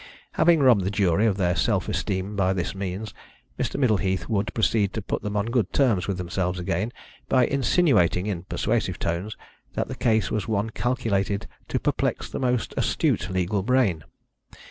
Having robbed the jury of their self esteem by this means, Mr. Middleheath would proceed to put them on good terms with themselves again by insinuating in persuasive tones that the case was one calculated to perplex the most astute legal brain.